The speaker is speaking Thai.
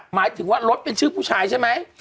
หมายถึงว่ารถเป็นชื่อผู้ชายใช่ไหม